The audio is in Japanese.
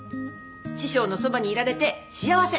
「師匠のそばにいられて幸せ。